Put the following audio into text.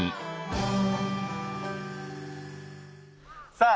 さあ